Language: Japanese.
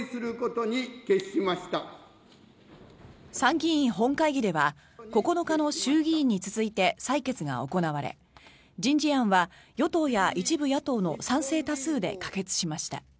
参議院本会議では９日の衆議院に続いて採決が行われ人事案は与党や一部野党の賛成多数で可決しました。